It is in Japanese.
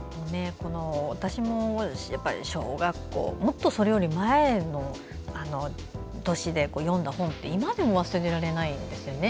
私も小学校もっとそれよりも前の年で読んだ本って今でも忘れられないんですよね。